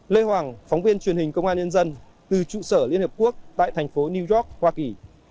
lê hoàng phóng viên truyền hình công an nhân dân từ trụ sở liên hợp quốc tại thành phố new york hoa kỳ